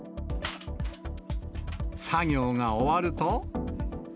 作業が終わると。